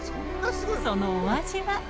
そのお味は？